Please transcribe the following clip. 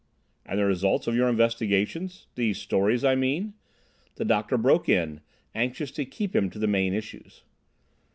"And the result of your investigations—these stories, I mean?" the doctor broke in, anxious to keep him to the main issues.